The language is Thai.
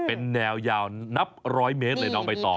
เป็นแนวยาวนับร้อยเมตรเลยน้องใบตอง